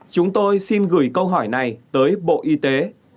chúng tôi xin gửi câu hỏi này tới bộ y tế